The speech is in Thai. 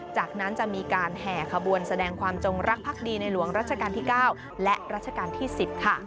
จากนั้นจะมีการแห่ขบวนแสดงความจงรักภักดีในหลวงรัชกาลที่๙และรัชกาลที่๑๐ค่ะ